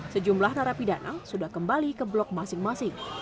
sejumlah narapidana sudah kembali ke blok masing masing